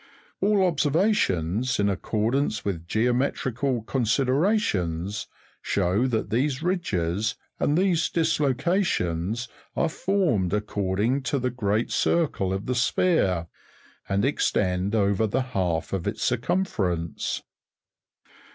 All observations, in accordance with geometrical considerations, show that these ridges and these dislocations arc formed according to the great circle of the sphere, and extend over the half of its circumference.